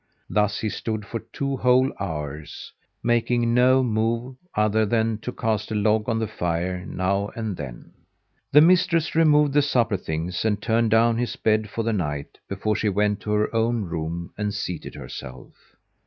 Thus he stood for two whole hours, making no move other than to cast a log on the fire now and then. The mistress removed the supper things and turned down his bed for the night before she went to her own room and seated herself.